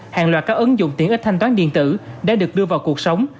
hàng loạt các ứng dụng tiện ích thanh toán điện tử đã được đưa vào cuộc sống